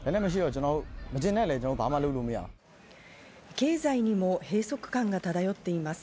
経済にも閉そく感が漂っています。